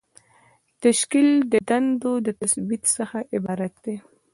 تشکیل د دندو د تثبیت څخه عبارت دی.